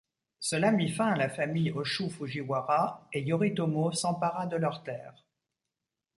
Cela mit fin à la famille Ōshū Fujiwara, et Yoritomo s'empara de leurs terres.